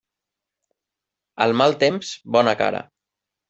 Al mal temps, bona cara.